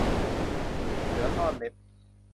มีดเสือซ่อนเล็บ